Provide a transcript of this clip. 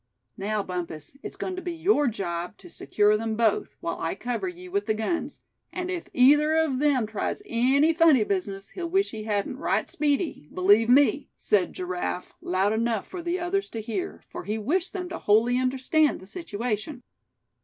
"Now, Bumpus, it's going to be your job to secure them both, while I cover you with the guns; and if either of them tries any funny business, he'll wish he hadn't right speedy, believe me," said Giraffe, loud enough for the others to hear, for he wished them to wholly understand the situation.